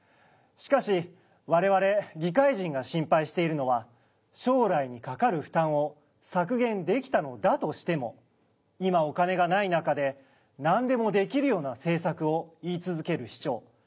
しかし我々議会人が心配しているのは将来にかかる負担を削減できたのだとしても今お金がない中でなんでもできるような政策を言い続ける市長